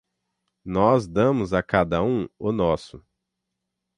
Nós damos a cada um o nosso.